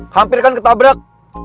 hampir kan ketabrak